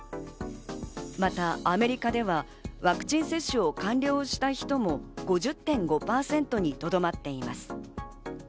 またアメリカではワクチン接種を完了した人も５０．５％にとどまっています。